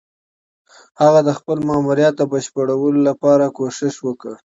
هغه د خپل ماموريت د بشپړولو لپاره کوښښ وکړ.